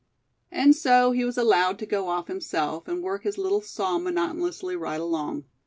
And so he was allowed to go off himself, and work his little saw monotonously right along.